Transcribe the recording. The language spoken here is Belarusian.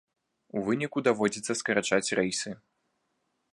У выніку даводзіцца скарачаць рэйсы.